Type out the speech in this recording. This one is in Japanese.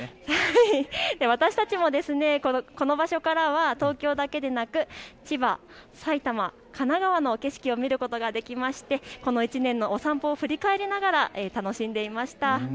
私たちもこの場所からは東京だけでなく千葉、埼玉、神奈川の景色を見ることができまして、この１年のお散歩を振り返りながら楽しんでいました。